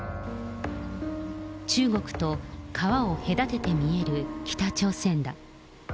中国と川を隔てて見える北朝鮮だ。